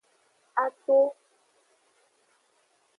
Ato.